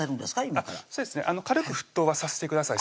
今からそうですね軽く沸騰はさせてください